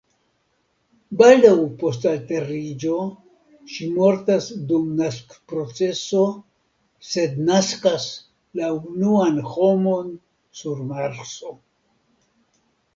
Baldaŭ post alteriĝo ŝi mortas dum naskproceso sed naskas la unuan homon sur Marso.